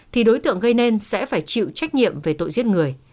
thì đối tượng gây nên sẽ phải chịu trách nhiệm về tội giết người